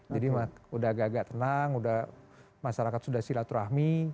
jadi udah agak agak tenang udah masyarakat sudah silaturahmi